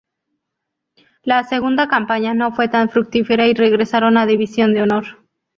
La segunda campaña no fue tan fructífera y regresaron a División de Honor.